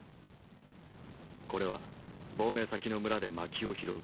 これは亡命先の村でまきを拾う